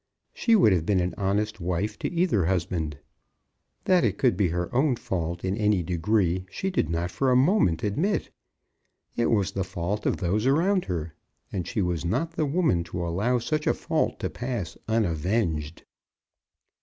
She would have been an honest wife to either husband! That it could be her own fault in any degree she did not for a moment admit. It was the fault of those around her, and she was not the woman to allow such a fault to pass unavenged.